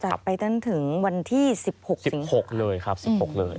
จัดไปตั้งถึงวันที่สิบหกสิบหกเลยครับสิบหกเลย